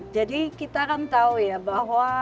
jadi kita kan tahu ya bahwa